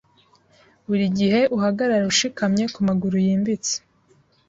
Buri gihe uhagarare ushikamye kumaguru yimbitse